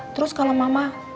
terus kalau mama